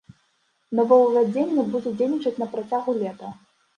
Новаўвядзенне будзе дзейнічаць на працягу лета.